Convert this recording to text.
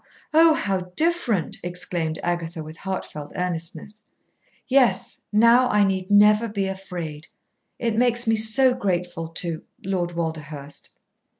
Oh! how different!" exclaimed Agatha, with heartfelt earnestness. "Yes. Now I need never be afraid. It makes me so grateful to Lord Walderhurst."